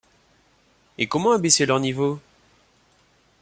Et comment abaisser leur niveau ?